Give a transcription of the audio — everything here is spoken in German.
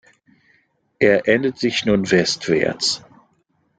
Er endet sich nun westwärts.